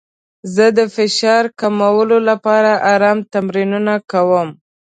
زه د فشار کمولو لپاره ارام تمرینونه کوم.